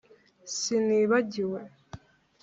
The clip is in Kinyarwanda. Sinibagiwe